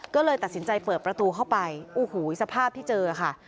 ก็เลยตัดสินใจเปิดประตูเข้าไปโอ้โหสภาพที่เจอค่ะ